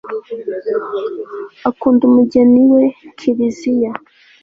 akunda umugeni we kiliziya